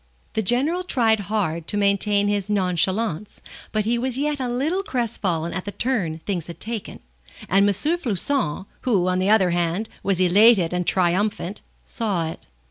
The General tried hard to maintain his nonchalance, but he was yet a little crestfallen at the turn things had taken, and M. Floçon, who, on the other hand, was elated and triumphant, saw it.